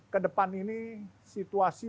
ke depan ini situasi